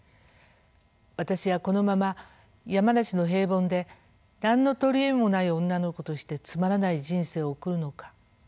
「私はこのまま山梨の平凡で何の取り柄もない女の子としてつまらない人生を送るのか。